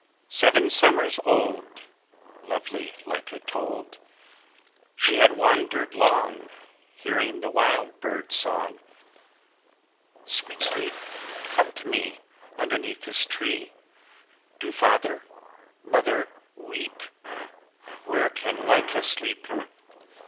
Seven summers old Lovely Lyca told. She had wandered long, Hearing wild birds' song. 'Sweet sleep, come to me, Underneath this tree; Do father, mother, weep? Where can Lyca sleep?